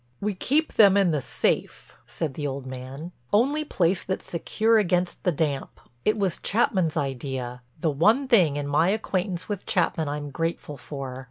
"We keep them in the safe," said the old man. "Only place that's secure against the damp. It was Chapman's idea—the one thing in my acquaintance with Chapman I'm grateful for."